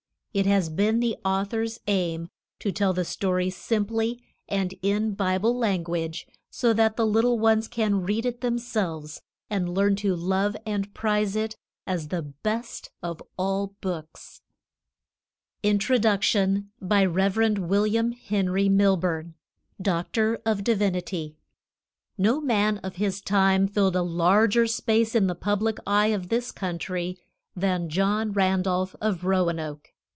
It has been the Author's aim to tell the story simply, and in Bible language, so that the little ones can read it themselves, and learn to love and prize it as the best of all books. J. P. INTRODUCTION. BY REV. WILLIAM HENRY MILBURN, D. D. NO man of his time filled a larger space in the public eye of this country than John Randolph of Roanoke.